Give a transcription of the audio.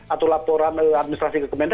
atau laporan administrasi kekembangan